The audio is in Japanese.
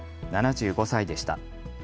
７５歳でした。